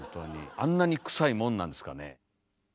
あんなにクサいもんなんですかね？